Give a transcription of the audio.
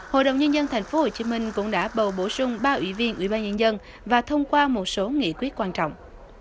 hội đồng nhân dân tp hcm cũng đã bầu bổ sung ba ủy viên ủy ban nhân dân và thông qua một số nghị quyết quan trọng